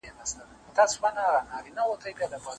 د هجران تبي نیولی ستا له غمه مړ به سمه